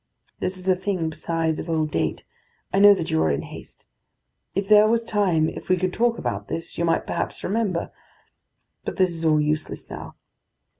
This is a thing, besides, of old date. I know that you are in haste. If there was time, if we could talk about this, you might perhaps remember. But this is all useless now.